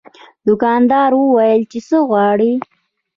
دوکاندار وویل چې څه غواړې.